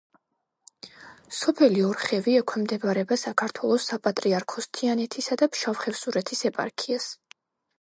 სოფელი ორხევი ექვემდებარება საქართველოს საპატრიარქოს თიანეთისა და ფშავ-ხევსურეთის ეპარქიას.